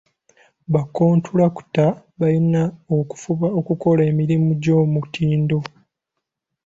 Bakkontulakita balina okufuba okukola emirumu gy'omutindo.